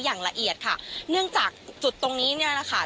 อย่างละเอียดค่ะเนื่องจากจุดตรงนี้เนี่ยนะคะ